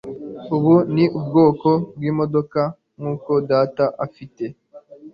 Ubu ni ubwoko bwimodoka nkuko data afite.